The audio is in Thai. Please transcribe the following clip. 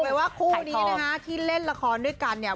ว่าคู่นี้นะคะที่เล่นละครด้วยกันเนี่ย